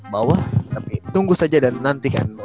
bawah tapi tunggu saja dan nantikan